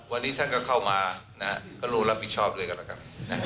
วันนี้ท่านก็เข้ามาก็ร่วมรับผิดชอบด้วยกันแล้วกัน